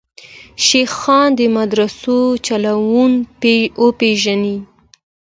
شیخان د مدرسو چلوونکي وروپېژني.